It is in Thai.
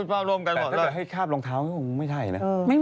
ให้รับผิดภาพร่วมกันหมด